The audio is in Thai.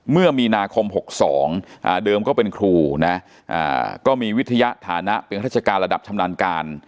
เมื่อมีนาคม๖๒เดิมก็เป็นครูนะก็มีวิทยาฐานะเป็นราชการระดับชำนาญการ